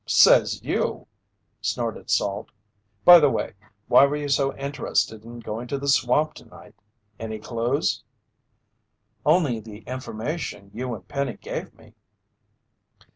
"Says you!" snorted Salt. "By the way, why were you so interested in going to the swamp tonight? Any clues?" "Only the information you and Penny gave me."